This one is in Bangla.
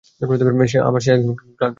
স্যার, সে আমার এক্স গার্লফ্রেন্ড ছিল।